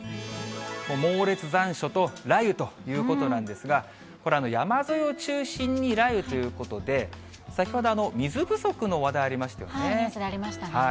猛烈残暑と雷雨ということなんですが、これ、山沿いを中心に雷雨ということで、先ほど、ニュースでありましたね。